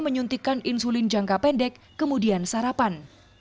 menyuntikkan insulin jangka pendek kemudian sarapan